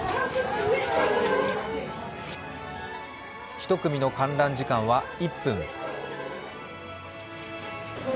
１組の観覧時間は１分。